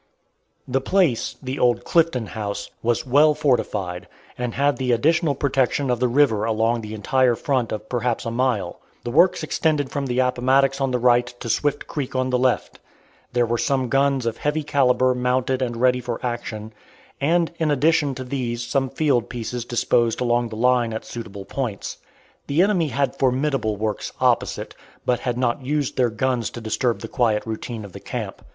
The place the old "Clifton House" was well fortified, and had the additional protection of the river along the entire front of perhaps a mile. The works extended from the Appomattox on the right to Swift Creek on the left. There were some guns of heavy calibre mounted and ready for action, and in addition to these some field pieces disposed along the line at suitable points. The enemy had formidable works opposite, but had not used their guns to disturb the quiet routine of the camp.